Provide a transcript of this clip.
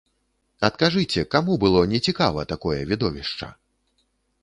Адкажыце, каму было нецікава такое відовішча?